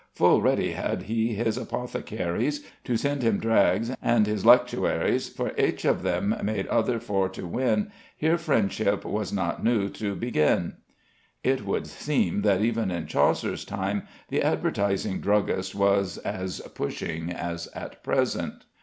"Ful redy hadde he his apotecaries To sende him dragges, and his letuaries, For eche of hem made othur for to wynne. Here frendschipe was not newe to begynne." It would seem that even in Chaucer's time the advertising druggist was as pushing as at present.